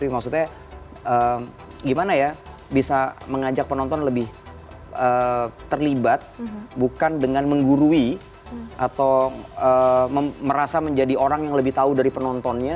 maksudnya gimana ya bisa mengajak penonton lebih terlibat bukan dengan menggurui atau merasa menjadi orang yang lebih tahu dari penontonnya